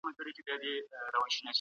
د اوبو لګولو نوي سیستمونه وکاروئ.